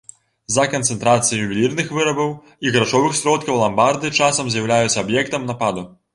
З-за канцэнтрацыі ювелірных вырабаў і грашовых сродкаў ламбарды часам з'яўляюцца аб'ектам нападу.